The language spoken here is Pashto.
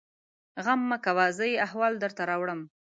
_غم مه کوه! زه يې احوال درته راوړم.